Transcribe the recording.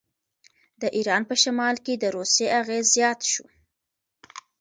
د ایران په شمال کې د روسیې اغېز زیات شو.